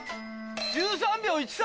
１３秒１３！